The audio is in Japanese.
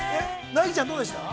ナギちゃん、どうでした？